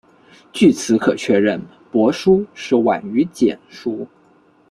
据此可确认帛书是晚于简书。